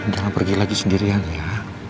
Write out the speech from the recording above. jangan pergi lagi sendirian ya